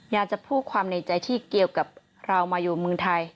อยากจะพูดความในใจที่เกี่ยวกับเรามาอยู่เมืองไทย